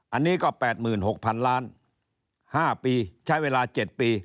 อันนี้ก็แปดหมื่นหกพันล้านห้าปีใช้เวลาเจ็ดปี